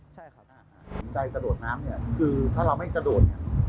ในใจกระโดดน้ำคือถ้าเราไม่กระโดด